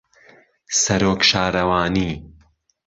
سەرۆک شارەوانی